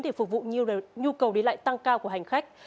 để phục vụ nhiều nhu cầu đi lại tăng cao của hành khách